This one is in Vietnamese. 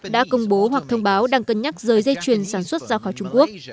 đã công bố hoặc thông báo đang cân nhắc giới dây chuyển sản xuất ra khỏi trung quốc